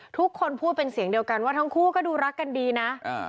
ทุกคนพูดเป็นเสียงเดียวกันว่าทั้งคู่ก็ดูรักกันดีนะ